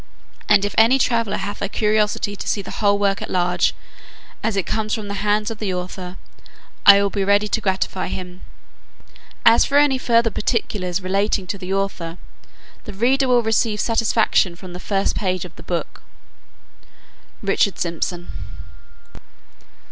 And if any traveller hath a curiosity to see the whole work at large, as it came from the hands of the author, I will be ready to gratify him. As for any further particulars relating to the author, the reader will receive satisfaction from the first pages of the book. RICHARD SYMPSON.